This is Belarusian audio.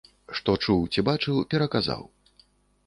Што чуў ці бачыў, пераказаў.